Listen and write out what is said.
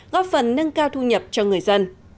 góp phần nâng cao thu nhập cho người dân